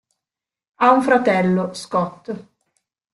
Ha un fratello, Scott.